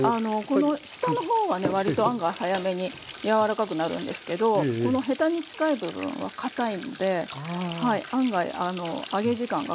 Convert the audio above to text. この下の方はね割と案外早めにやわらかくなるんですけどこのヘタに近い部分はかたいので案外揚げ時間がかかるんですよ。